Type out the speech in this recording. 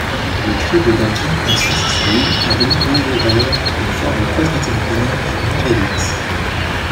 Le crible d'Atkin consiste lui à dénombrer les valeurs d'une forme quadratique binaire non-réduite.